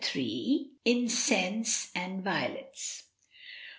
INCENSE AND VIOLETS.